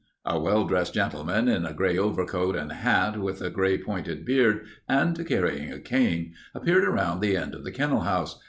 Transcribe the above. A well dressed gentleman in a gray overcoat and hat, with a gray pointed beard, and carrying a cane, appeared around the end of the kennel house.